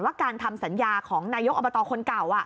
การทำสัญญาของนายกอบตคนเก่า